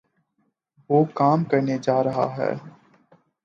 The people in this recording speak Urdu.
وہ کام کرنےجارہےہیں